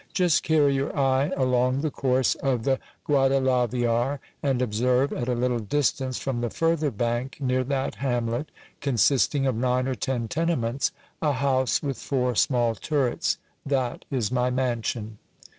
Just carry your eye along the course o:' the Guadalaviar, and observe at a little distance from the further bank, near that hamlet, consisting of nine or ten tenements, a house with four small turrets; that is my mansion.